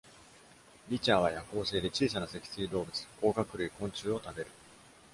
ビチャーは夜行性で、小さな脊椎動物、甲殻類、昆虫を食べる。